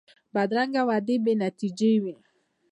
بدرنګه وعدې بې نتیجې وي